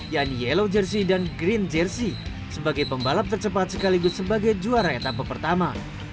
yakni yellow jersey dan green jersey sebagai pembalap tercepat sekaligus sebagai juara etapa pertama